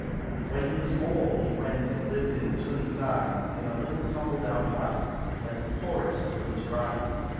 When he was old he went and lived in Tun san in a little tumble down hut, like the poorest of the literati.